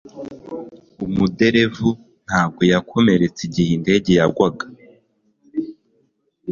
Umuderevu ntabwo yakomeretse igihe indege yagwaga